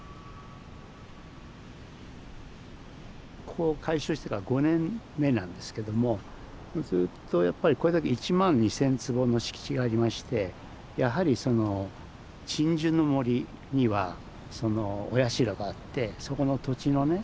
ここ開所してから５年目なんですけどもずっとやっぱりこれだけ１万２，０００坪の敷地がありましてやはりその鎮守の森にはそのお社があってそこの土地のね